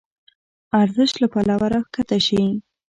ارزش له پلوه راکښته شي.